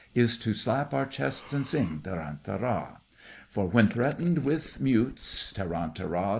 Is to slap our chests and sing, Tarantara! For when threatened with meutes, Tarantara!